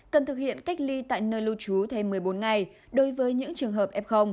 cần thực hiện cách ly tại nơi lưu trú thêm một mươi bốn ngày đối với những trường hợp f